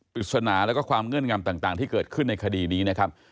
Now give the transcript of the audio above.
ปริศนาแล้วก็ความเงื่อนงำต่างที่เกิดขึ้นในคดีนี้นะครับ